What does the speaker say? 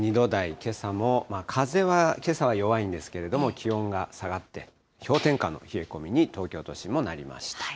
けさも風はけさは弱いんですけれども、気温が下がって、氷点下の冷え込みに東京都心もなりました。